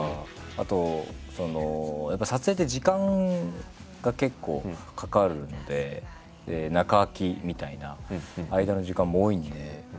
あとやっぱ撮影って時間が結構かかるんで中空きみたいな間の時間も多いんで。